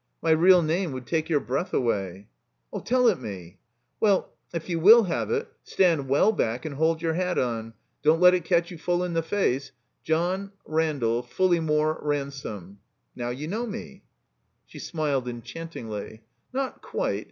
My real name would take your breath away." "Tell it me." "Well — if you will have it — stand well back and hold your hat on. Don't let it catch you full in the face. John — ^Randall — ^Fulleymore — ^Ransome. Now you know me." She smiled enchantingly. "Not quite.